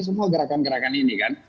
semua gerakan gerakan ini kan